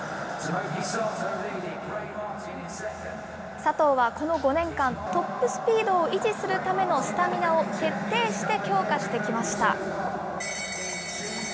佐藤はこの５年間、トップスピードを維持するためのスタミナを徹底して強化してきました。